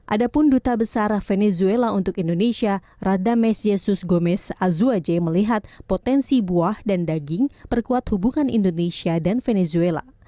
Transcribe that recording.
ada pun duta besar venezuela untuk indonesia radames yesus gomez azuaje melihat potensi buah dan daging perkuat hubungan indonesia dan venezuela